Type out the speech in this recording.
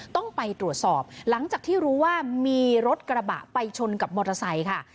ต้องไปตรวจสอบหลังจากที่รู้ว่ามีรถกระบะไปชนกับมอเตอร์ไซค์ค่ะ